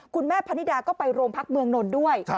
คุณแม่พันธิดาก็ไปโรงพักเมืองนนท์ด้วย